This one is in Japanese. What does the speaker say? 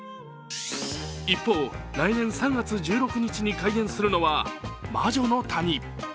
一方、来年３月１６日に開園するのは魔女の谷。